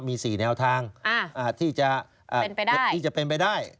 มี๔แนวทางที่จะเป็นไปได้